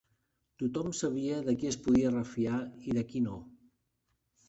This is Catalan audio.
Tothom sabia de qui es podia refiar i de qui no.